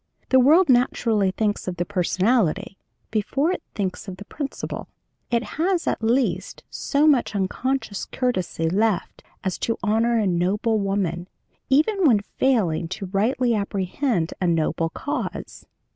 The world naturally thinks of the personality before it thinks of the principle. It has, at least, so much unconscious courtesy left as to honor a noble woman, even when failing to rightly apprehend a noble cause.